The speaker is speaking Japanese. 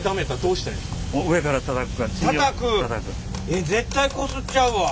えっ絶対こすっちゃうわ。